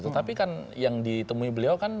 tetapi kan yang ditemui beliau kan